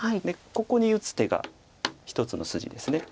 ここに打つ手が一つの筋です。